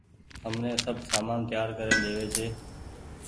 همني سب سامان تيآر ڪرين ۮيوي ڇي۔